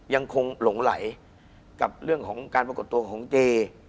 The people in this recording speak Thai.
ยังคงหลงไหลกับเรื่องของการประกดโตของเจ